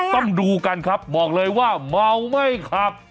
ต้องดูกันครับบอกเลยว่าเมาไม่ขับ